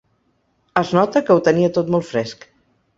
Es nota que ho tenia tot molt fresc.